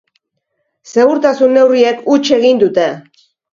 Segurtasun neurriek huts egin dute.